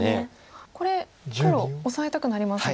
これ黒オサえたくなりますが。